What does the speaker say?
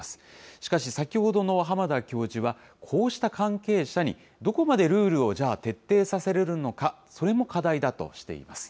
しかし、先ほどの濱田教授は、こうした関係者に、どこまでルールを、じゃあ徹底させられるのか、それも課題だとしています。